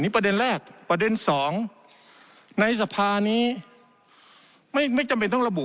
ประเด็นแรกประเด็นสองในสภานี้ไม่จำเป็นต้องระบุ